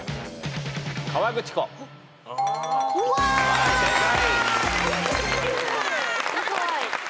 はい正解。